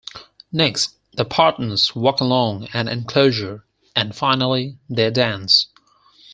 Next, the partners walk along an enclosure, and finally they dance.